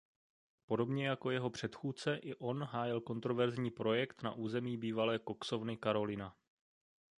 Podobně jako jeho předchůdce i on hájil kontroverzní projekt na území bývalé koksovny Karolina.